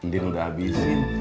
din udah abisin